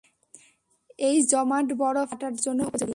এই জমাট বরফ এখন হাঁটার জন্য উপযোগী!